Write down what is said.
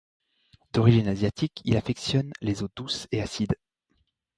D'origine asiatique, il affectionne les eaux douces et acides.